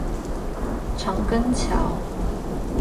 長庚橋